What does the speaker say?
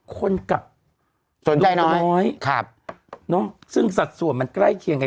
คนกับเด็กน้อยครับเนอะซึ่งสัดส่วนมันใกล้เคียงกัน